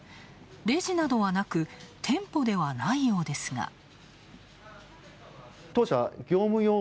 レジなどはなく、店舗ではないようですが。